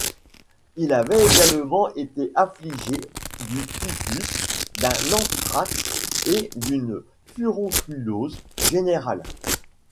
Il avait également été affligé du typhus, d'un anthrax et d'une furonculose générale.